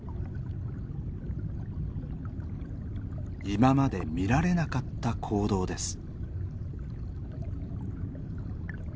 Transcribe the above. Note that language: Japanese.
今まで見られなかった行動です。